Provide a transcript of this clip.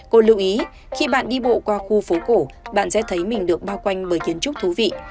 cô lưu ý khi bạn đi bộ qua khu phố cổ bạn sẽ thấy mình được bao quanh bởi kiến trúc thú vị